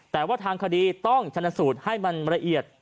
แต่ว่าทางคดีต้องชนะสูตรให้มันละเอียด